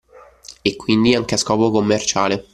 E quindi anche a scopo commerciale